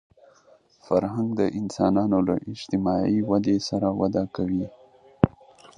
فرهنګ د انسانانو له اجتماعي ودې سره وده کوي